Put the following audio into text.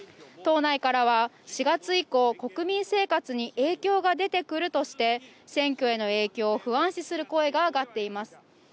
党内からは「４月以降国民生活に影響が出てくる」として選挙への影響を不安視する声が上がっています。